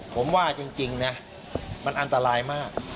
ผมว่าจริงนะมันอันตรายมาก